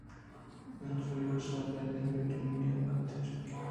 انچو کہ قصابءَ دمانے دومی نیمگءَ وتی چکّ تَرّینت